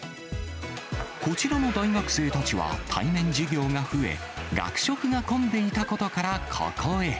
こちらの大学生たちは、対面授業が増え、学食が混んでいたことから、ここへ。